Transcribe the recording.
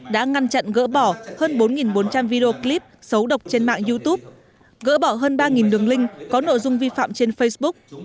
đã ngăn chặn gỡ bỏ hơn bốn bốn trăm linh video clip xấu độc trên mạng youtube gỡ bỏ hơn ba đường link có nội dung vi phạm trên facebook